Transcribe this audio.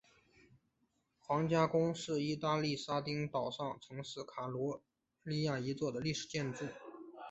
皇家宫是义大利撒丁岛上城市卡利亚里的一座历史建筑。